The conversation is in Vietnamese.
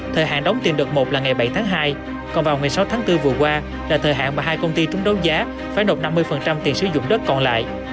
thời hạn đóng tiền đợt một là ngày bảy tháng hai còn vào ngày sáu tháng bốn vừa qua là thời hạn mà hai công ty trúng đấu giá phải nộp năm mươi tiền sử dụng đất còn lại